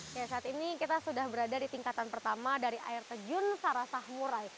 oke saat ini kita sudah berada di tingkatan pertama dari air terjun sarasah murai